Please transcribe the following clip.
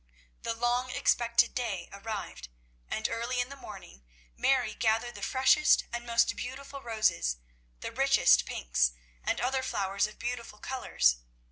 The long expected day arrived, and early in the morning Mary gathered the freshest and most beautiful roses, the richest pinks, and other flowers of beautiful colours.